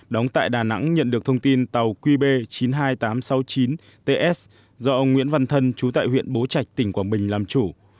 đóng tại đà nẵng nhận được thông tin tàu qb chín mươi hai nghìn tám trăm sáu mươi chín ts do ông nguyễn văn thân chú tại huyện bố trạch tỉnh quảng bình làm chủ